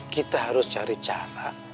kita harus cari cara